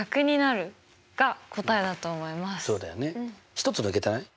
１つ抜けてない？